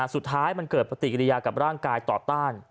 สุดท้ายมันเกิดปฏิกิริยากับร่างกายต่อต้าน